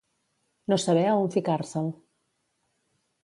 No saber a on ficar-se'l.